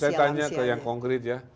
nah itu saya tanya ke yang konkret ya